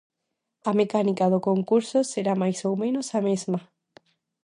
A mecánica do concurso será máis ou menos a mesma.